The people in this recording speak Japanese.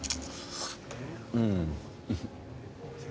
うん。